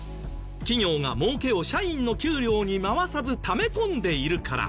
企業が儲けを社員の給料に回さずため込んでいるから。